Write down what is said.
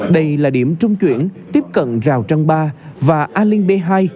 đây là điểm trung chuyển tiếp cận rào trăng ba và ali b hai